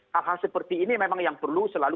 hal hal seperti ini memang yang perlu selalu